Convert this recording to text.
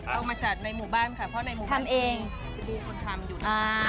เอามาจัดในหมู่บ้านค่ะเพราะในหมู่บ้านเองจะมีคนทำอยู่นะ